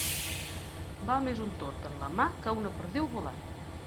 Val més un tord en la mà que una perdiu volant.